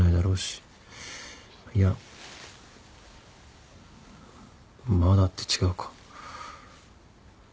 いや「まだ」って違うか。